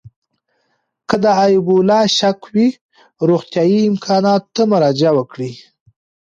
که د اېبولا شک وي، روغتیايي امکاناتو ته مراجعه وکړئ.